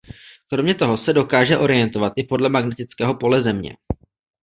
Kromě toho se dokáže orientovat i podle magnetického pole Země.